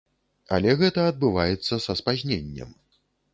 Але гэта адбываецца са спазненнем.